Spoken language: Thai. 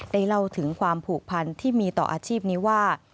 เล่าถึงความผูกพันที่มีต่ออาชีพนี้ว่า